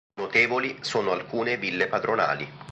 Notevoli sono alcune ville padronali.